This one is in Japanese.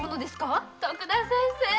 徳田先生！